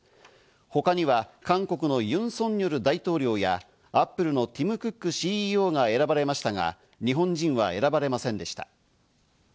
他には韓国のユン・ソンニョル大統領やアップルのティム・クックＣＥＯが選ばれましたが、日本人は選ばれませんでした。